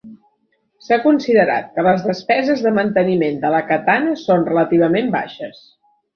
S'ha considerat que les despeses de manteniment de la katana són relativament baixes.